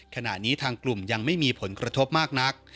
ขณะนี้ทางกลุ่มยังไม่มีผลกระทบมากนัก